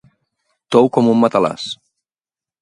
Tou com un matalàs.